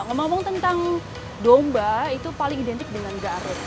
ngomong tentang domba itu paling identik dengan garut